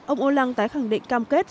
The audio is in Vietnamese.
ông hollande tái khẳng định cam kết